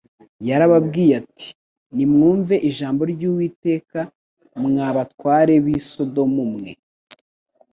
yarababwiye ati: "Nimwumve Ijambo ry'Uwiteka, mwa batware b'i Sodomu mwe,